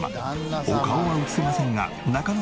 お顔は映せませんが中野アナ